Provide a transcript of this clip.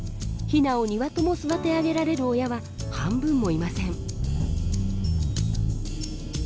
ヒナを２羽とも育て上げられる親は半分もいません。